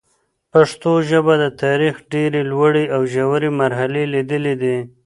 پښتو ژبه د تاریخ ډېري لوړي او ژوري مرحلې لیدلي دي.